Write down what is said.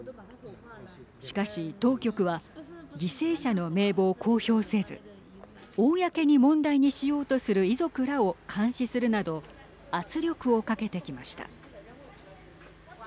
しかし当局は犠牲者の名簿を公表せず公に問題にしようとする遺族らを監視するなど圧力をかけてきました。